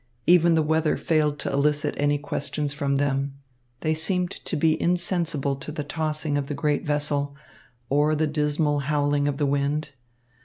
Even the weather failed to elicit any questions from them. They seemed to be insensible to the tossing of the great vessel, or the dismal howling of the wind.